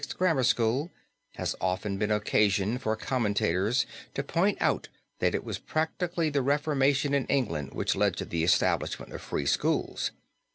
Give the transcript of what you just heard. grammar school, has often given occasion for commentators to point out that it was practically the Reformation in England which led to the establishment of free schools.